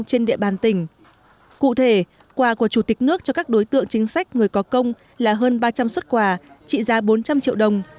cụ thể quà của chủ tịch nước cho các đối tượng chính sách người có công là hơn ba trăm linh xuất quà trị giá bốn trăm linh triệu đồng